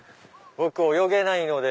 僕泳げないので。